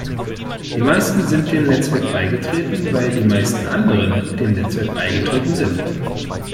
Die meisten sind dem Netzwerk beigetreten, weil die meisten anderen dem Netzwerk beigetreten sind.